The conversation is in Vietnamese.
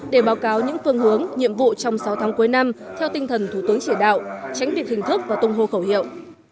để báo cáo những phương hướng nhiệm vụ trong sáu tháng cuối năm theo tinh thần thủ tướng chỉ đạo tránh việc hình thức và tung hô khẩu hiệu